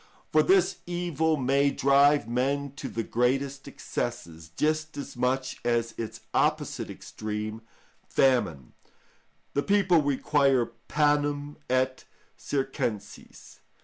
For this evil may drive men to the greatest excesses, just as much as its opposite extreme, famine: the people require panem et circenses.